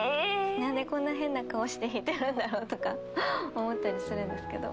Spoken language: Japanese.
なんでこんな変な顔して弾いてるんだろうとか思ったりするんですけど。